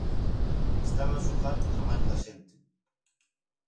Están a xogar co traballo da xente.